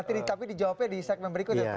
oke nanti tapi dijawabnya di segmen berikut